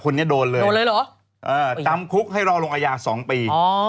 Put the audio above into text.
โทษจะเป็นอย่างนี้